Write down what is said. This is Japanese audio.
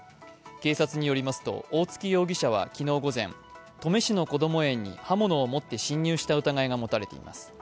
警察によりますと大槻容疑者は昨日午前登米市のこども園に刃物を持って侵入した疑いが持たれています。